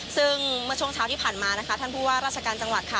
ซึ่งเมื่อช่วงเช้าที่ผ่านมานะคะท่านผู้ว่าราชการจังหวัดค่ะ